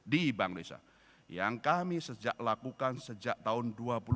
di bank indonesia yang kami sejak lakukan sejak tahun dua ribu delapan belas